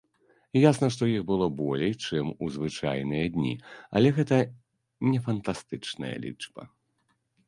Ясна, што іх было болей, чым у звычайныя дні, але гэта не фантастычная лічба.